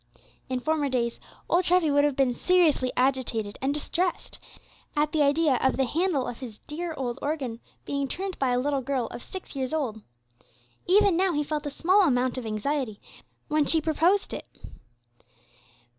In former days, old Treffy would have been seriously agitated and distressed at the idea of the handle of his dear old organ being turned by a little girl of six years old. Even now he felt a small amount of anxiety when she proposed it.